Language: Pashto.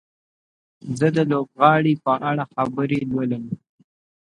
زه د لوبغاړي په اړه خبر لولم.